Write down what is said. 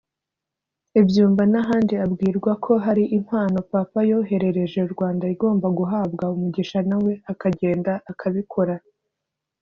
i Byumba n’ahandi abwirwa ko hari impano Papa yoherereje u Rwanda igomba guhabwa umugisha nawe akagenda akabikora